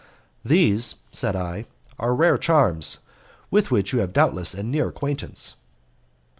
"These," said I, "are rare charms, with which you have doubtless a near acquaintance?"